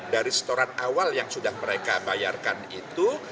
dari setoran awal yang sudah mereka bayarkan itu